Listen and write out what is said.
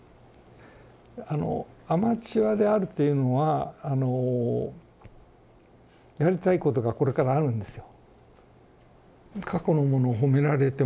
あのアマチュアであるというのはあのやりたいことがこれからあるんですよ。